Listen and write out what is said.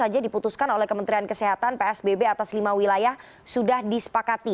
yang diputuskan oleh kementerian kesehatan psbb atas lima wilayah sudah disepakati